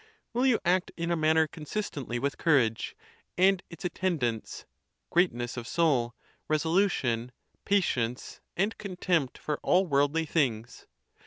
Will you act in a manner consistently with courage, and its at tendants, greatness of soul, resolution, patience, and con tempt for all worldly things?